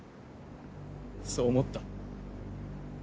そう思った。